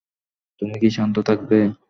তুমি কী শান্ত থাকবে?